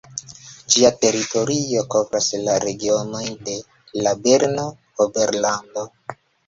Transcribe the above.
Ĝia teritorio kovras la regionojn de la Berna Oberlando.